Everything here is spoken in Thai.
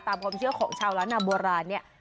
ตามความเชื่อของชาวล้านนาโบราณเนี่ย